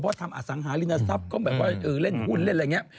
เพราะทำอสังหารินทรัพย์ก็แบบว่าเล่นหุ้นเล่นอะไรอย่างนี้